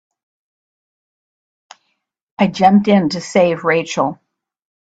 I jumped in to save Rachel.